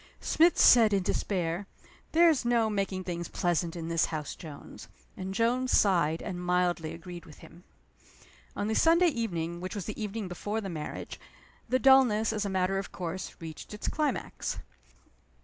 Smith said, in despair, "There's no making things pleasant in this house, Jones." And Jones sighed, and mildly agreed with him. On the Sunday evening which was the evening before the marriage the dullness, as a matter of course, reached its climax.